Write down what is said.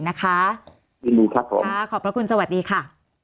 ยินดีครับผมค่ะขอบพระคุณสวัสดีค่ะ